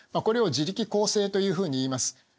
これを自力更生というふうにいいます。